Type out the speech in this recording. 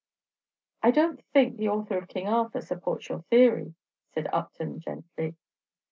"I don't think the author of 'King Arthur' supports your theory," said Upton, gently.